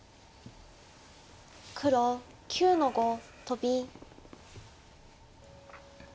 黒９の五トビ。